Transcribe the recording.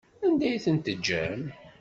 Anda ay ten-tejjam?